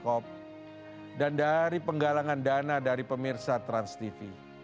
kelompok usaha ctkop dan dari penggalangan dana dari pemirsa transtv